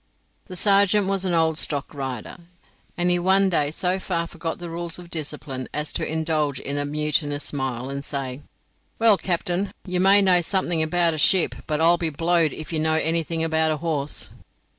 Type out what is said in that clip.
The sergeant was an old stockrider, and he one day so far forgot the rules of discipline as to indulge in a mutinous smile, and say: "Well, captain, you may know something about a ship, but I'll be blowed if you know anything about a horse."